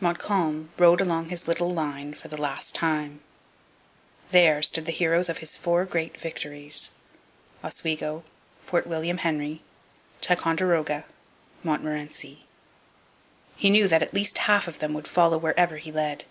Montcalm rode along his little line for the last time. There stood the heroes of his four great victories Oswego, Fort William Henry, Ticonderoga, Montmorency. He knew that at least half of them would follow wherever he led.